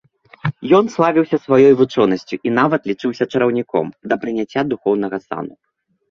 Ян славіўся сваёй вучонасцю, і нават лічыўся чараўніком, да прыняцця духоўнага сану.